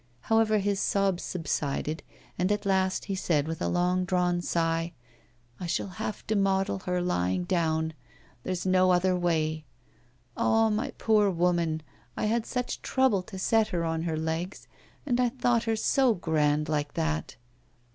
However, his sobs subsided, and at last he said with a long drawn sigh: 'I shall have to model her lying down! There's no other way! Ah, my poor old woman, I had such trouble to set her on her legs, and I thought her so grand like that!